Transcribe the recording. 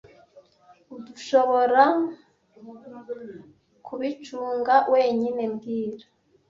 Urdushoborakubicunga wenyine mbwira